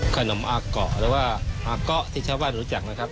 ขนมอาเกาะหรือว่าอาเกาะที่ชาวบ้านรู้จักนะครับ